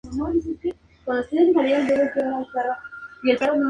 En el pasado trabajó para Square, aunque actualmente es un empleado de Monolith Soft.